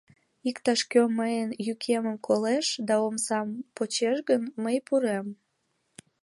Иктаж-кӧ Мыйын йӱкемым колеш да омсам почеш гын, Мый пурем».